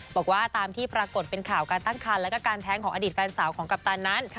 บอกว่าตามที่ปรากฏเป็นข่าวการตั้งคันแล้วก็การแท้งของอดีตแฟนสาวของกัปตันนั้น